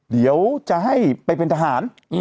เดี๋ยวจะให้ไปเป็นทหาร